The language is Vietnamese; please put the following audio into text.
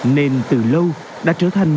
nên từ lâu đã trở thành